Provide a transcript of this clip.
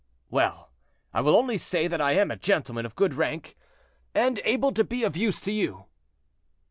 "Well! I will only say that I am a gentleman of good rank, and able to be of use to you."